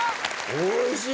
おいしい！